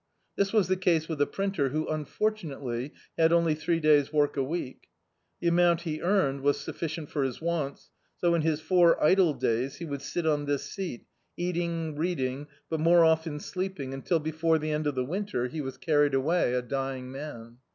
This was the case with a printer who, unfortunately, had only three days' work a week. The amount he earned was sufiBcient for his wants, so, in his four idle days, he would sit on this seat, eating, reading, but more often sleeping, imtil before the end of the winter, he was carried away a dying man.